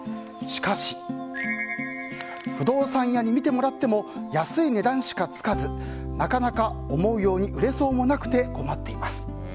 しかし不動産屋に見てもらっても安い値段しかつかずなかなか思うように売れそうもなくて困っています。